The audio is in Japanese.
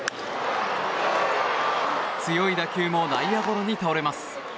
強い打球も内野ゴロに倒れます。